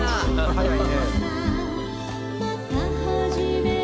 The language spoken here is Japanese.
「早いね」